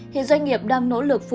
hiện doanh nghiệp đang nỗ lực phủ